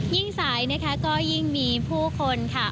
ยิ่งสายก็ยิ่งมีผู้คนค่ะ